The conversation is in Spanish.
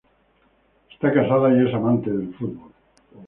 Está casado y es amante del fútbol.